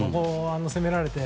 攻められて。